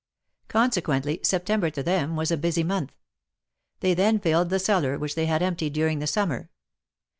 Consequently, September to them was a busy month. They then filled the cellar, which they had emptied during the summer.